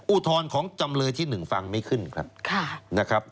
อุทธรณ์ของจำเลยที่๑ฟังไม่ขึ้นครับนะครับ